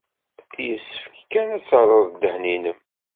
Yessefk kan ad terred ddehn-nnem.